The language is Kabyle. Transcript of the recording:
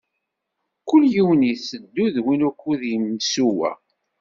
Kul yiwen iteddu d win ukud i d-imsuwa.